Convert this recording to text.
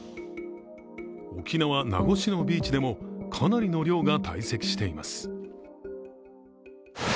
沖縄・名護市のビーチでもかなりの量が堆積しています。